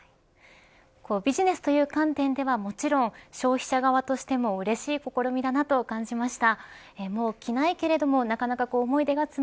ビジネスという観点ではもちろん消費者側としてもうれしい試みだなと感じました。